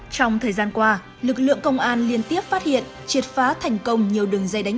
trong thời gian qua lực lượng công an liên tiếp phát hiện triệt phá thành công nhiều đường dây đánh